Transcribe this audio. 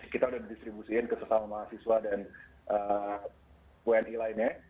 kita sudah didistribusikan ke sesama mahasiswa dan wni lainnya